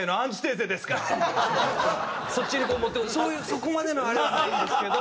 「そこまでのあれはないんですけど」